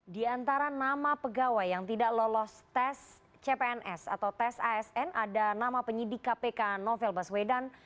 di antara nama pegawai yang tidak lolos tes cpns atau tes asn ada nama penyidik kpk novel baswedan